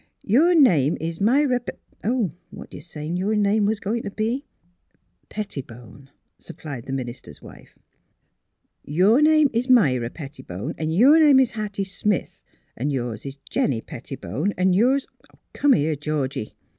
Your name is Myra Pet What'd you say your name was goin' t' be? " 260 THE HEAET OF PHILUEA *' Pettibone," supplied the minister's wife. " Your name is Myra Pettibone, an' your name is Hattie Smith, an' yours is Jennie Pettibone, 'n' yours Come here, Georgie.